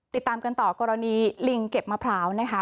ติดตามกันต่อกรณีลิงเก็บมะพร้าวนะคะ